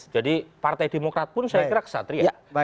jadi partai demokrat pun saya kira kesatria